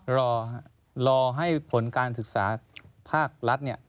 รอรอให้ผลการศึกษาภาครัฐเนี่ย